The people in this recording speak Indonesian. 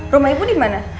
rumah ibu dimana